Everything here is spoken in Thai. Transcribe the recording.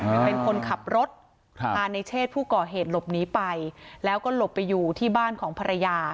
เป็นคนขับรถพาในเชศผู้ก่อเหตุหลบหนีไปแล้วก็หลบไปอยู่ที่บ้านของภรรยา